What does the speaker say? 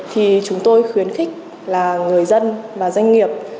thì chúng tôi khuyến khích là người dân và doanh nghiệp